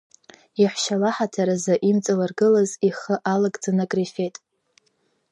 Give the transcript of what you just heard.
Иаҳәшьа лаҳаҭыр азы имҵалыргылаз ихы алагӡаны акрифеит.